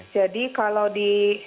jadi kalau di